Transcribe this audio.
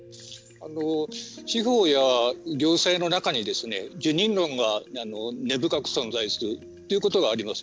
地方や行政の中に受忍論が根深く存在するということがあります。